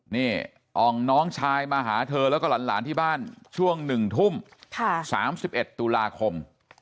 นี่อ่องน้องชายมาหาเทิชฅ์โรงแรงนี้ล้านที่บ้านช่วง๑ทุ่ม๓๑ทุลาคม